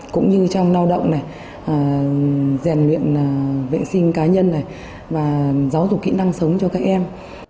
cũng như trong lao động này rèn luyện vệ sinh cá nhân này và giáo dục kỹ năng sống cho các em